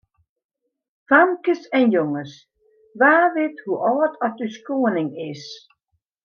Famkes en jonges, wa wit hoe âld as ús koaning is?